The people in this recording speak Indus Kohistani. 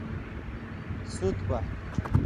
سُت بہ